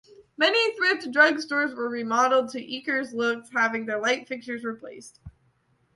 Many Thrift Drug stores were remodeled to Eckerd's look, having their light fixtures replaced.